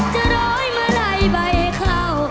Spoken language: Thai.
จะร้อยเมลัยใบเข้า